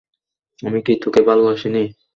আমি কি তোকে ভালোবাসিনি?